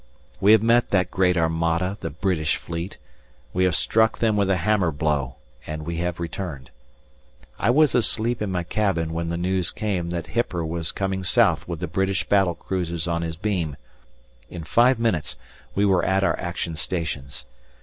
We have met that great armada the British Fleet, we have struck them with a hammer blow and we have returned. I was asleep in my cabin when the news came that Hipper was coming south with the British battle cruisers on his beam. In five minutes we were at our action stations.